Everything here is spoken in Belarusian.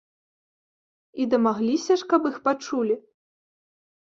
І дамагліся ж, каб іх пачулі!